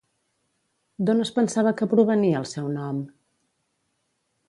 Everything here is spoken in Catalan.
D'on es pensava que provenia el seu nom?